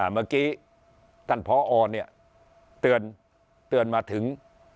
เมื่อกี้ท่านพอเตือนมาถึง